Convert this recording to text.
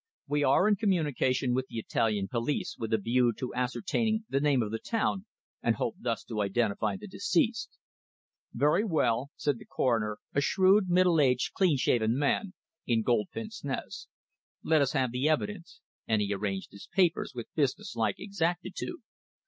We are in communication with the Italian police with a view to ascertaining the name of the town, and hope thus to identify the deceased." "Very well!" said the coroner, a shrewd, middle aged, clean shaven man in gold pince nez. "Let us have the evidence," and he arranged his papers with business like exactitude.